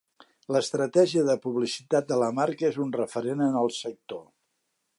L'estratègia de publicitat de la marca és un referent en el sector.